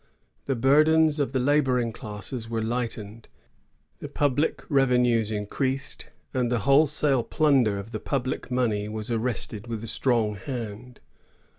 The burdens of the laboring classes were lightened, the public revenues increased, and the wholesale plunder of the public money was arrested with a strong hand.